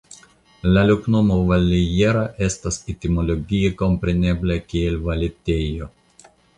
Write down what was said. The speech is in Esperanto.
La loknomo "Vallejera" estas etimologie komprenebla kiel "Valetejo".